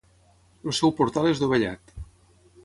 El seu portal és dovellat.